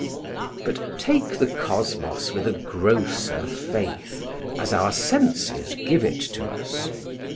But take the Kosmos with a grosser faith, as our senses give it to us.